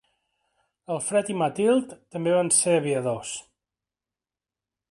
Alfred i Matilde també van ser aviadors.